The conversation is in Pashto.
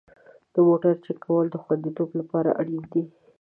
د موټرو چک کول د خوندیتوب لپاره اړین دي.